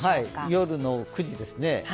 夜の９時ですね。